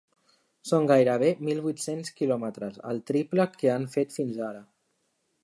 Són gairebé mil vuit-cents quilòmetres, el triple que han fet fins ara.